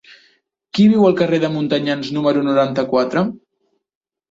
Qui viu al carrer de Montanyans número noranta-quatre?